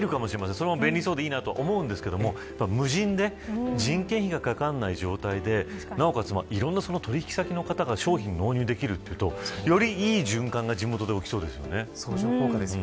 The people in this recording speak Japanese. それも便利そうだと思うんですけど無人で人件費がかからない状態でなおかつ、いろんな取引先の方が商品を納入できるというとよりいい循環が地元で起きそうですよね。